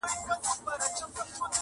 وجود شراب شراب نشې نشې لرې که نه-